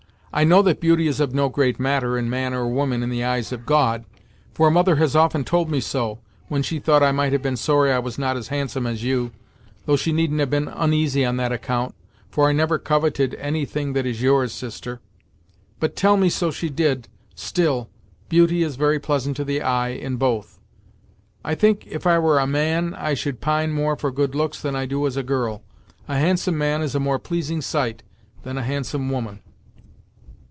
I know that beauty is of no great matter, in man or woman, in the eyes of God, for mother has often told me so, when she thought I might have been sorry I was not as handsome as you, though she needn't have been uneasy on that account, for I never coveted any thing that is yours, sister but, tell me so she did still, beauty is very pleasant to the eye, in both! I think, if I were a man, I should pine more for good looks than I do as a girl. A handsome man is a more pleasing sight than a handsome woman."